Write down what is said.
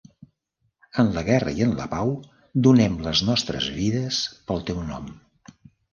En la guerra i en la pau donem les nostres vides pel teu nom.